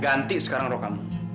ganti sekarang rok kamu